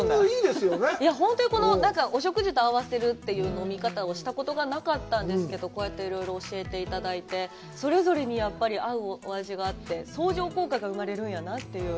本当にお食事と合わせるという飲み方をしたことがなかったんですけど、こうやっていろいろ教えていただいて、それぞれにやっぱり合うお味があって、相乗効果が生まれるんやなという。